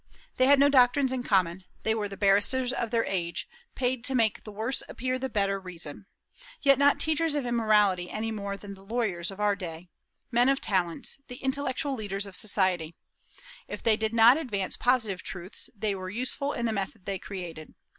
They had no doctrines in common. They were the barristers of their age, paid to make the "worse appear the better reason;" yet not teachers of immorality any more than the lawyers of our day, men of talents, the intellectual leaders of society. If they did not advance positive truths, they were useful in the method they created.